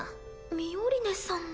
ミオリネさんの。